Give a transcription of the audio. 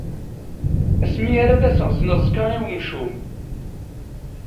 Asmi arad as-ɣzen aẓekka i umcum.